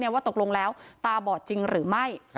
ว่าตกลงแล้วตาบอดจริงหรือไม่